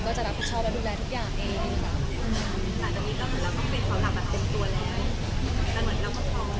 ก็จะรับผิดชอบและดูแลทุกอย่างเองค่ะแต่ตอนนี้ก็เหมือนเราก็เป็นเสาหลักแบบเป็นตัวแล้ว